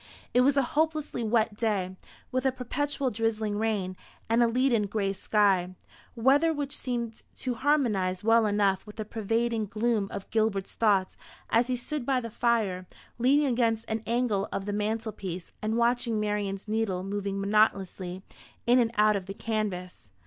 It was a hopelessly wet day, with a perpetual drizzling rain and a leaden gray sky; weather which seemed to harmonise well enough with the pervading gloom of Gilbert's thoughts as he stood by the fire, leaning against an angle of the mantelpiece, and watching Marian's needle moving monotonously in and out of the canvas.